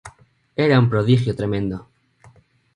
Era un prodigio tremendo.